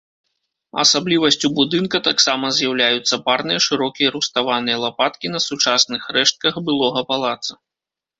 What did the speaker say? Асаблівасцю будынка таксама з'яўляюцца парныя шырокія руставаныя лапаткі на сучасных рэштках былога палаца.